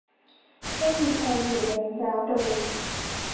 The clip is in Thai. ไม่มีใครอยู่ในร้านเลย